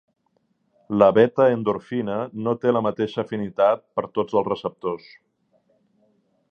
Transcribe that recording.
La β-endorfina no té la mateixa afinitat per tots els receptors.